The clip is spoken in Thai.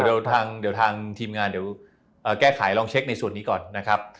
เดี๋ยวทางทีมงานเดี๋ยวแก้ไขลองเช็คในส่วนนี้ก่อนนะครับ